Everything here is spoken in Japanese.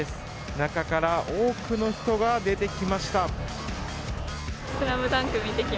中から多くの人が出てきました。